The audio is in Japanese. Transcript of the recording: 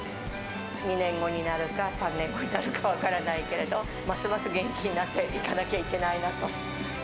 ２年後になるか、３年後になるか分からないけれど、ますます元気になっていかなきゃいけないなと。